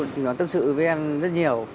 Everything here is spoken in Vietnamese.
thì nó tâm sự với em rất nhiều